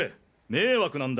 迷惑なんだよ。